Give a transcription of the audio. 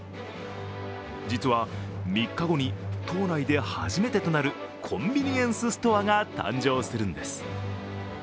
実は３日後に島内で初めてとなるコンビニエンスストアが誕生するんです。